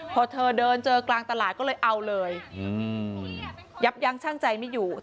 พอเธอเดินเจอกลางตลาดก็เลยเอาเลยยับยั้งช่างใจไม่อยู่